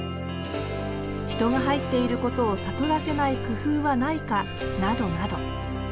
人が入っていることを悟らせない工夫はないかなどなど。